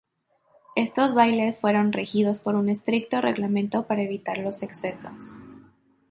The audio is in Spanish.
Estos bailes fueron regidos por un estricto reglamento para evitar los excesos.